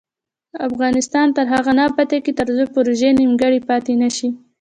افغانستان تر هغو نه ابادیږي، ترڅو پروژې نیمګړې پاتې نشي.